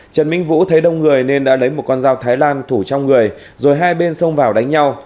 trần minh vũ thấy đông người nên đã lấy một con dao thái lan thủ trong người rồi hai bên xông vào đánh nhau